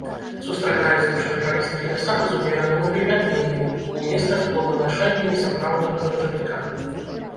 Сустракаецца ў шыракалістых лясах з умераным увільгатненнем, у месцах плоданашэння несапраўднага дажджавіка.